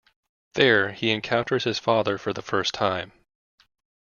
There, he encounters his father for the first time.